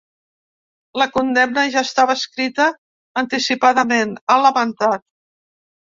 “La condemna ja estava escrita anticipadament”, ha lamentat.